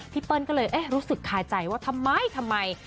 พี่เปิ้ลก็เลยรู้สึกขายใจว่าทำไม